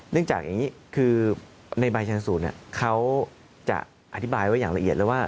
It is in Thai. จากอย่างนี้คือในใบชนสูตรเขาจะอธิบายไว้อย่างละเอียดเลยว่า